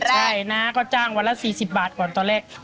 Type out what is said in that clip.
ใช่นะก็จ้างวันละ๔๐บาทก่อนตอนแรก